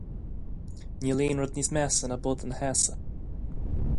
Níl aon rud níos measa ná bod ina sheasamh.